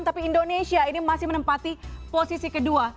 tapi indonesia ini masih menempati posisi kedua